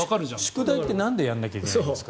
宿題ってなんでやらないといけないんですか？